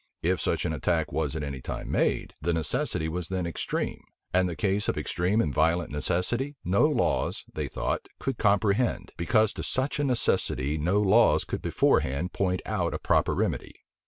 If such an attack was at any time made, the necessity was then extreme; and the case of extreme and violent necessity, no laws, they thought, could comprehend; because to such a necessity no laws could beforehand point out a proper remedy.